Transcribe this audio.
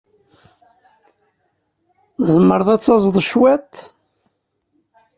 Tzemreḍ ad taẓeḍ cwiṭ?